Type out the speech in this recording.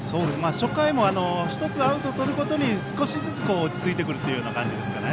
初回も、１つアウトをとるごとに少しずつ落ち着いてくる感じですかね。